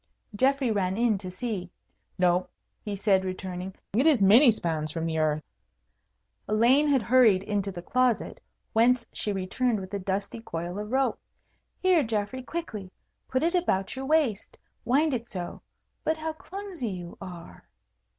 Geoffrey ran in to see. "No," he said, returning; "it is many spans from the earth." Elaine had hurried into the closet, whence she returned with a dusty coil of rope. "Here, Geoffrey; quickly! put it about your waist. Wind it so. But how clumsy you are!"